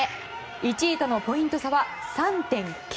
１位とのポイント差は３．９。